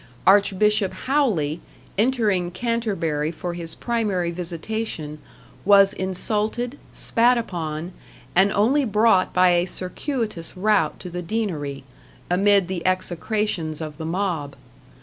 Archbishop Howley, entering Canterbury for his primary visitation, was insulted, spat upon, and only brought by a circuitous route to the Deanery, amid the execrations of the mob.